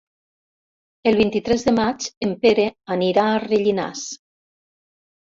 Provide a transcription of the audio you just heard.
El vint-i-tres de maig en Pere anirà a Rellinars.